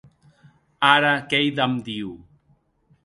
Ara qu’ei damb Diu.